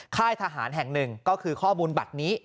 ค่ายทหารแห่งหนึ่งก็คือข้อมูลบัตรนี้